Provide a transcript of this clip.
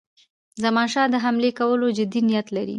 زمانشاه د حملې کولو جدي نیت لري.